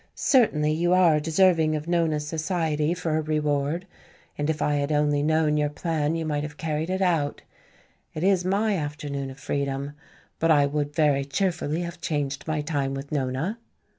"Certainly you are deserving of Nona's society for a reward. And if I had only known your plan you might have carried it out. It is my afternoon of freedom, but I would very cheerfully have changed my time with Nona."